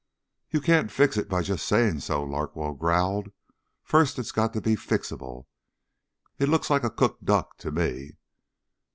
"You can't fix it by just saying so," Larkwell growled. "First it's got to be fixable. It looks like a cooked duck, to me."